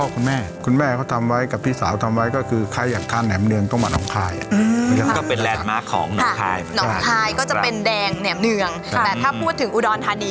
แต่ถ้าพูดถึงอุดรธานี